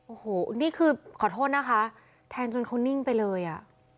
โอ้โหนี่คือขอโทษนะคะแทงจนเขานิ่งไปเลยอ่ะ